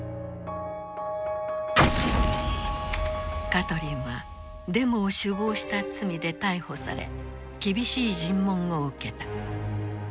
カトリンはデモを首謀した罪で逮捕され厳しい尋問を受けた。